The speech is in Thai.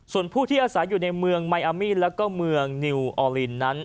ส่วนผู้ที่อาศัยอยู่ในเมืองมายอามีนแล้วก็เมืองนิวออลินนั้น